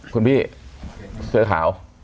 คุณพี่เสื้อขาว